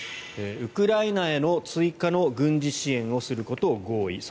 ウクライナへの追加の軍事支援をすることを合意。